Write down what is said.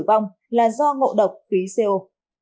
vâng là do ngộ độc khí co